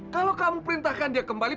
kalau kamu perintahkan dia kembali